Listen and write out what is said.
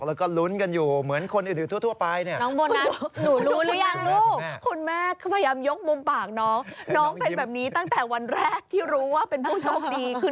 แล้วก็ลุ้นกันอยู่เหมือนคนอื่นทั่วไปเนี่ย